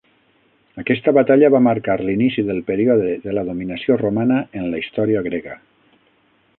Aquesta batalla va marcar l'inici del període de la dominació romana en la història grega.